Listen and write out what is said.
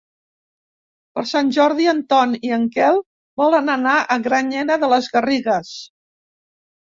Per Sant Jordi en Ton i en Quel volen anar a Granyena de les Garrigues.